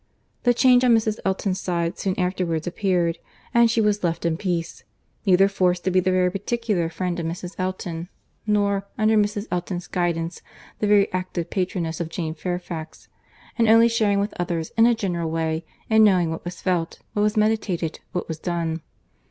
The change on Mrs. Elton's side soon afterwards appeared, and she was left in peace—neither forced to be the very particular friend of Mrs. Elton, nor, under Mrs. Elton's guidance, the very active patroness of Jane Fairfax, and only sharing with others in a general way, in knowing what was felt, what was meditated, what was done.